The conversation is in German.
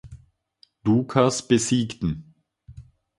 Dukas besiegten.